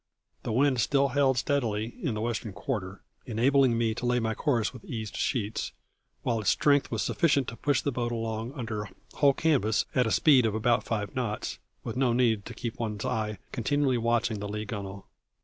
The wind still held steadily in the western quarter, enabling me to lay my course with eased sheets, while its strength was sufficient to push the boat along under whole canvas at a speed of about five knots, with no need to keep one's eye continually watching the lee gunwale.